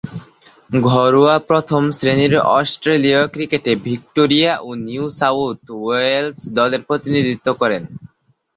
ঘরোয়া প্রথম-শ্রেণীর অস্ট্রেলীয় ক্রিকেটে ভিক্টোরিয়া ও নিউ সাউথ ওয়েলস দলের প্রতিনিধিত্ব করেন।